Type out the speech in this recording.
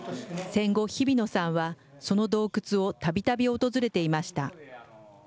戦後、日比野さんは、その洞窟をたびたび訪れていました。